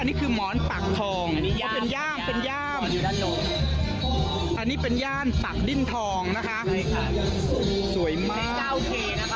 นี่คือหมอนปากทองอันนี้เป็นย่านปากดิ้นทองนะคะสวยมาก